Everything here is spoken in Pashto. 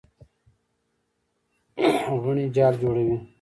غڼې جال جوړوي.